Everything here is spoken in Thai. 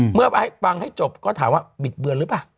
เมื่อฟังให้จบก็ถามว่าบิดเบือนหรือเปล่า